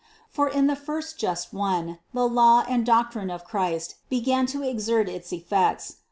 For in the first just one the law and doctrine of Christ began to exert its effects.